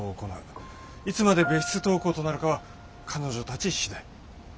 いつまで別室登校となるかは彼女たち次第。